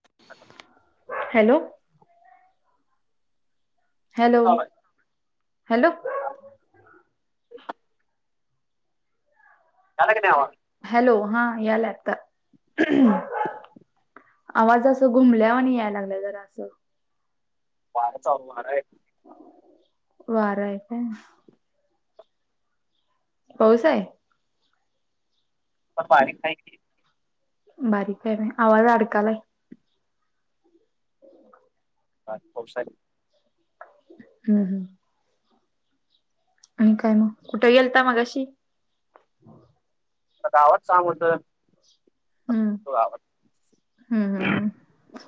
[inaudible] Hello. Hello, hello. Hello हा यालाय आता. आवाज असं घुमल्या वाणी यालागला जरा असं. वाऱ्याचा वार आहे. वार आहे का? पाऊस हाय. प बारी हायकी. बारीक हाय होय आवाज अडकालाय. आज पाऊस आहे. हम्म हम्म. आणि काय म? कुठे गेलता मगाशी? आता गावाात सांग होत. हम्म होतू गावांत. हम्म हम्म हम्म.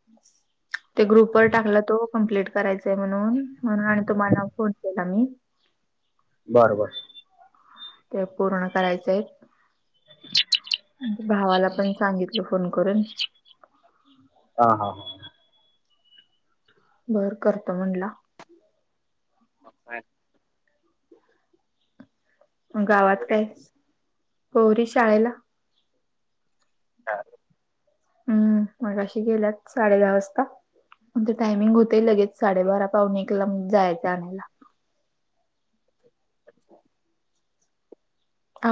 [unintelligible] ते ग्रुपवरर टाकलं तो कम्प्लीट करायचाय म्हणून. म्हणून आणि तुम्हाला फोन केला मी. बर बर. ते पूर्ण करायचेंय. भावाला पण सांगितलं फोन करून. हा हा ह. बर करतो म्हणला. हो काय. गावात काय? पोरी शाळेला. हां [unintelligible] हम्म मगाशी गेल्यात. साडे दहा वाजता. त्यांच टायमिंग होतेय लगेच. साडेबारा पावणे एकला जायचं आणायला.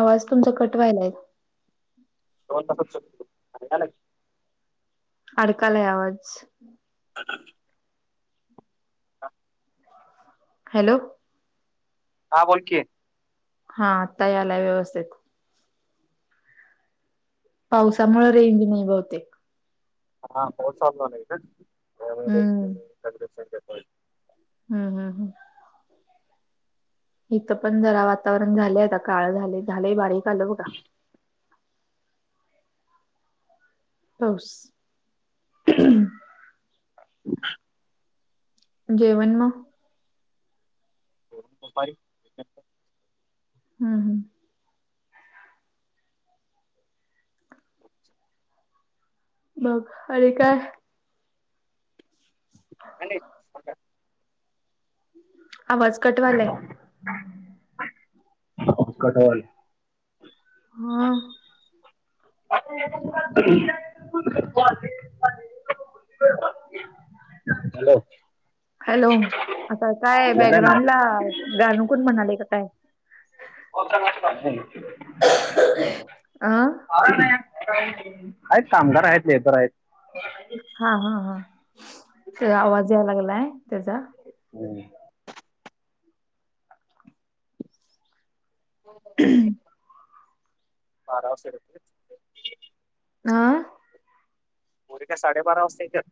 आवाज तुमचा कट व्हायलाय. हो तसं चुकतो [inaudible] अडकालाय आवाज. अ [inaudible] हा [inaudible] हॅलो. हां बोलकी. हा आता यालाय व्यवस्थित. पावसामुळे रेंज नाही बहुतेक. हा पाऊस चालू झाला इथेच. हम्म दर्शन घेतो. [inaudible] हम्म हम्म हम्म. इथं पण जरा वातावरण झालेय आता. काळ झालेय. झाले बारीक आलं बघा. पाऊस. हो [inaudible] जेवण म. दुपारी. हम्म हम्म. अच्छा. [inaudible] बघ अनी काय? [unintelligible] आवाज कट व्हायलाय. कट व्हायलाय. हा. कॉले [inaudible] हॅलो. हॅलो आता काय आहे ना बॅकग्राउंड ला गाण कोन म्हणाले का काय? होता पाज नाही. अ [inaudible] आहेत कामगार आहेत लेबर आहेत. हां हां हां ते आवाज याया लागलाय त्याचा. हम्म. हो. हम. बारा वर्ष आं? मोदि काय साडेबारा वाजता येत्यात?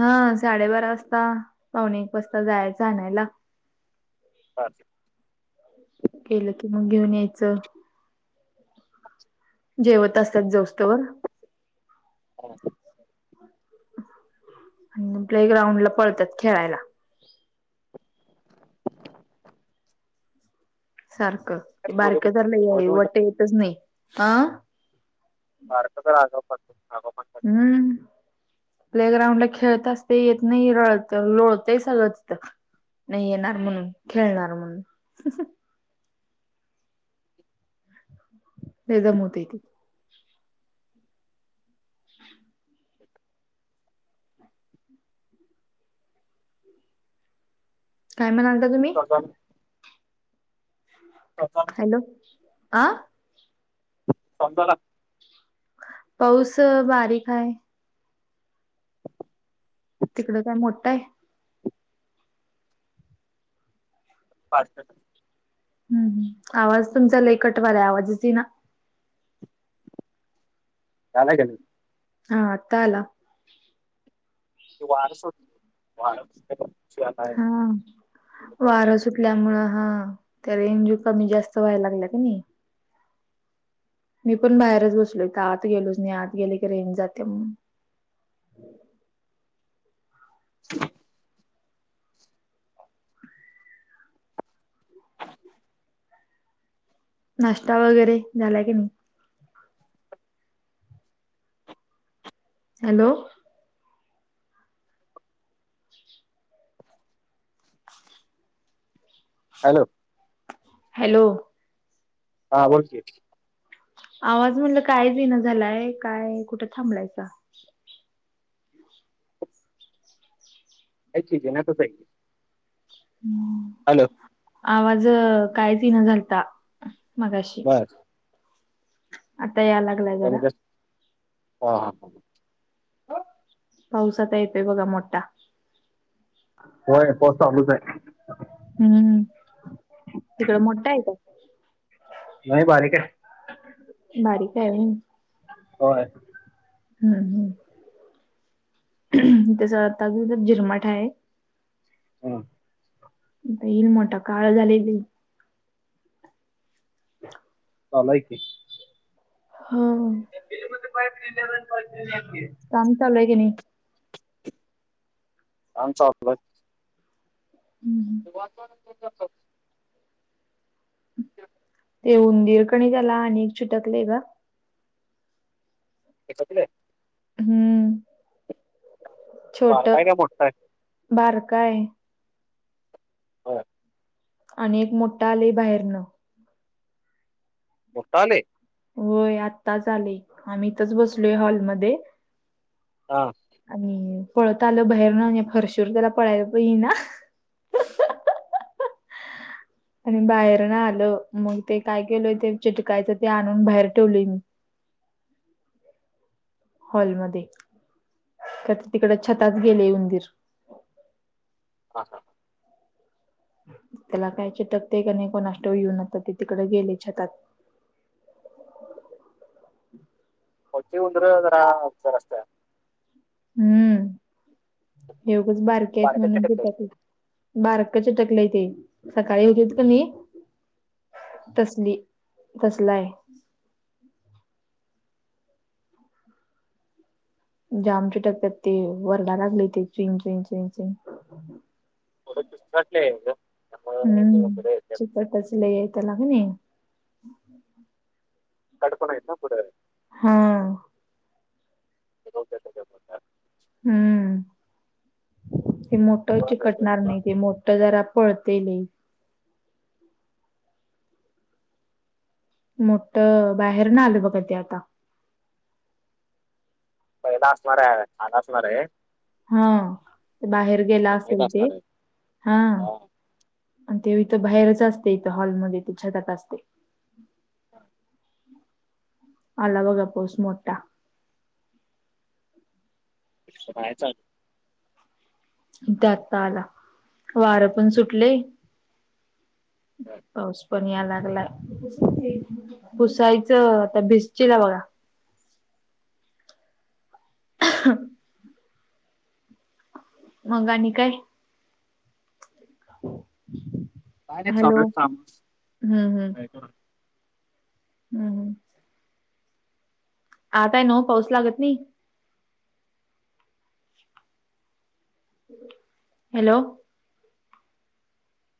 हा साडेबारा वाजता, पावणे एक वाजता, जायाच आणायला. [unintelligible] केलं की मग घेऊन यायचं. [inaudible] जेवत असतात, जोस्तोवर. काय म्हणते? आं म प्ले ग्राउंड ला पळतात, खेळायला. सारखं, बारक झालंय वट येतच नाही, अं? फ [unintelligible] हम्म. प्ले ग्राउंड ला खेळताच ते येत नही, रळत-लोळत सगळं तिथं. नही येणार म्हणून, खेळणार म्हणून. लई दमवत ते. [inaudible] काय म्हणालता तुम्ही? [unintelligible] [unintelligible] हॅलो? आं? पाऊस झाला? पाऊस अ बारीक हाय. तिकडं काय मोठाय? पा. [unintelligible] हम्म ह्म, आवाज तुमचा लई कट वायला, आवाजच येईना. झालाय का? [unintelligible] हा, आता आला. ते वारस, वार. हां. वारं सुटल्यामुळं हां, त्या रेंज कमी-जास्त व्हायला लागल्या कि नाय? मी पण बाहेरच बसलोय, आत गेलोच नाही, आत गेले की रेन्ज जाते मग. [unintelligible] नाष्टा वगैरे झालाय की नाही? हॅलो? [unintelligible] हॅलो? हॅलो? हा, बोलकी. आवाज म्हणलं, कायच येईना झालाय, काय कुठं थांबलायका? ऐक जे नाच य [unintelligible] [inaudible] हॅलो. आवाज कायच इना झालता मगाशी. आता याला कमी कर हां हां. पावस आता येतोय बघा मोठा. होय पाऊस चालूच हाय. हम्म तिकडं मोठ हाय काय? नाय बारीक हाय बारीक आहे व्हय होय. हम्म हम् आता झिरमाठा हाय. हम्. आता इल मोठा काळ झालय लय. [inaudible] चालू हाय की. हा. [unintelligible] काम चालूय की नाय? काम चालूय. हम्म. [unintelligible] [inaudible] ते उंदीर कनाय त्याला आणि एक चिटकलग. चिटकलय? हम्म. छोट बारक हाय. होय. आणि एक मोठा आलय बाहेरनं. मोठ आलय? होय आताच आलय आम्ही इथच बसलोय हॉलमध्ये. हा. आणि पळत आलं बाहेर न आणि त्याला फरशीवर त्याला पळायला प येईना. आणि बाहेर न आलं मग ते काय केलंय ते चिटकायचं ते आणून बाहेर ठेवलय मी. हॉलमध्ये तिकड छतात गेलय उंदीर. [unintelligible] त्याला काय चिटकतंय का नाय कुणासठाव येऊन आता ते तिकड गेलय छतात. मोठी उंदर जरा हुशार असत्यात. हम्म हे उगच बारके आहेत म्हणून येत्याती. बारक चीटकलय ते सकाळी होतेत क नय तसली तसलाय. जाम चितकत्यात ते वरडाय लागलय ते चिग चिग चिग चिग. थोड पिसाटलय ग. हम्म चिकटच लय हाय त्याला कनाई? ताड पण हायत ना पुढ. हम्म. [unintelligible] हम्म. ते मोठ चिकटणार नाही ते मोठ जरा पळतय लय. मोठ बाहेरून आल बघा ते आता. पहिला असणार आहे. छान असणार आहे. हां. बाहेर गेला असेल ते हा. आणि तेव इथं बाहेरच असते इथं हॉलमध्ये ते छतात असते ह आला बघा पाऊस मोठा. बाय चाल. आत्ता आला. वारं पण सुटलेय. पाऊस पण या लागलाय. पुुसायचं आता भिजशीला बघा. [inaudible] मग आणि काय? हॅलो! हम्म हम्म. हम्म हम्म. आत आहे ना ओ पाऊस लागत नाही. हॅलो!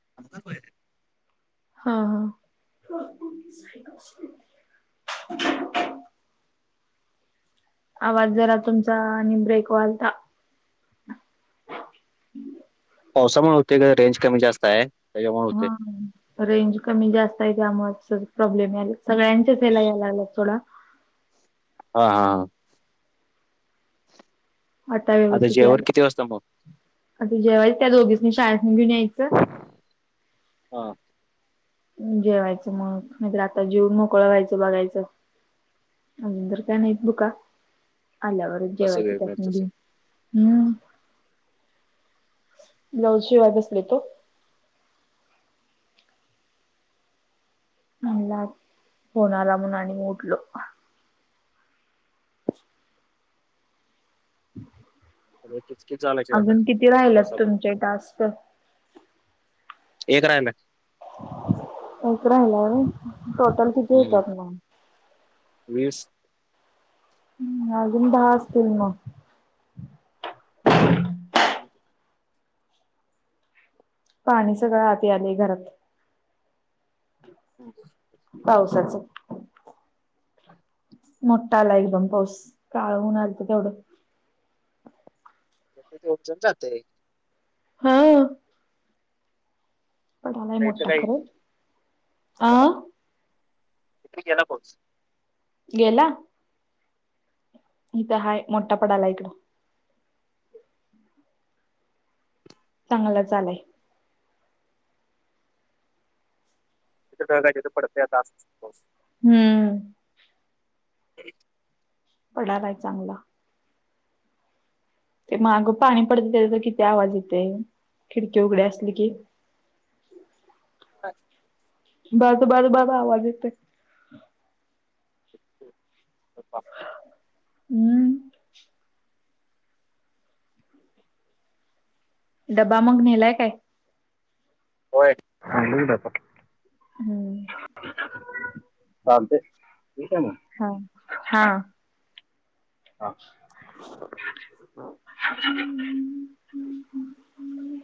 [unintelligible] हां हां. आवाज जरा तुमचा आणि ब्रेक व्हायलता. पावसामुळे होतय ग रेंज कमी जास्त आहे त्याच्यामुळे होतय. हा रेंज कमी जास्त आहे त्यामुळे स प्रॉब्लेम यायलेत सगळ्यांचेच येला यायला लागलेत सोडा. हा हा हा. आता व्यवस्थित यायला आता ज्यावळेस त्या दोघीच शाळेतनी घेऊन यायचं. हां. जेवायचं मग, नाहीतर आताच जीवुन मोकळं व्हायचं बघायचं. [unintelligible] आल्यावरच जेवायच त्यासनी घेऊन. हम्म ब्लाऊज शिवाय बसले तो. म्हणला फोन आला म्हणून आणि उठलो. [inaudible] सगळ किचकीच झालंय. अजुन किती राहिलेत तुमचे टास्क? एक राहिलाय. एक राहिलाय होय टोटल किती होत्यात मग? वीस. हम्म अजून दहा असतील मग. [unintelligible] पाणी सगळं आत यायलय घरात. [unintelligible] पावसाच. [inaudible] मोठा आला एकदम पाऊस. काल ऊन आलत तेवढं. [unintelligible] हां. पडालाय मोठा खरंय. अं? इकडे गेला पाऊस. गेला? इथं हाय. मोठा पडालाय इकड. चांगलाच आलाय. जिथं ढग आहेत तिथं पडतेयात आज पाऊस. हम्म. पडायलाय चांगला. ते मागं पाणी पडत त्याच्या तर किती आवाज येतोय? खिडकी उघडी असली की. [unintelligible] [unintelligible] आवाज येतय. [unintelligible] हम्म. डबा मग न्हेलाय काय? होय. आणलाय डबा. हम्म. चालतय. ठेऊ काय मग? हा. हा. हा. [unintelligible]